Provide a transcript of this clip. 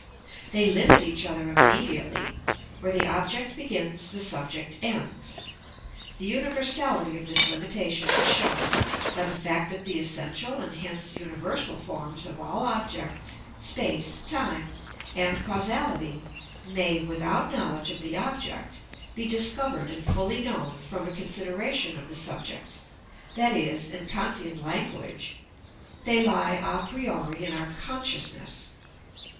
They limit each other immediately; where the object begins the subject ends. The universality of this limitation is shown by the fact that the essential and hence universal forms of all objects, space, time, and causality, may, without knowledge of the object, be discovered and fully known from a consideration of the subject, i.e., in Kantian language, they lie a priori in our consciousness.